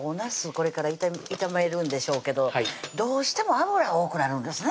これから炒めるんでしょうけどどうしても油多くなるんですね